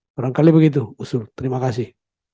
barangkali begitu usul terima kasih